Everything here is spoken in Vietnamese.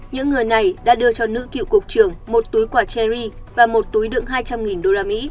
những người này đã đưa cho nữ cựu cục trưởng một túi quả cherry và một túi đựng hai trăm linh usd